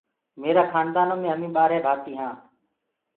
ميرآ خآندآ نو مي همي ٻآرهي ڀآتي هآن۔